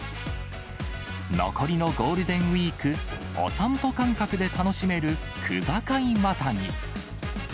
残りのゴールデンウィーク、お散歩感覚で楽しめる区境またぎ。